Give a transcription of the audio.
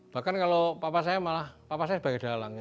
bahkan kalau papa saya malah papa saya sebagai dalang